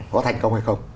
có thành công hay không